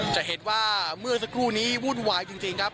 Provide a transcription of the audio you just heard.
จะเห็นว่าเมื่อสักครู่นี้วุ่นวายจริงครับ